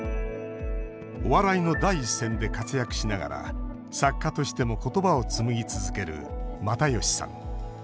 お笑いの第一線で活躍しながら作家としてもことばを紡ぎ続ける又吉さん。